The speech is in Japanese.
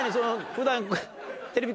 普段。